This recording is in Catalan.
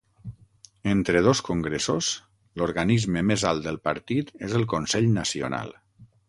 Entre dos congressos l'organisme més alt del partit és el Consell Nacional.